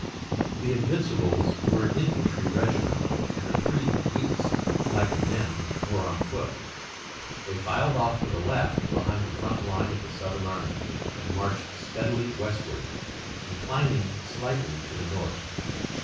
The Invincibles were an infantry regiment and the three youths, like the men, were on foot. They filed off to the left behind the front line of the Southern army, and marched steadily westward, inclining slightly to the north.